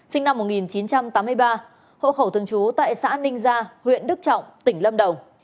sinh năm một nghìn chín trăm tám mươi ba hộ khẩu thường trú tại xã ninh gia huyện đức trọng tỉnh lâm đồng